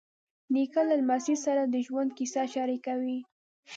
نیکه له لمسي سره د ژوند کیسې شریکوي.